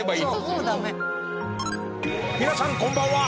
皆さんこんばんは！